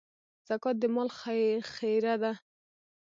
زکات د مال خيره ده.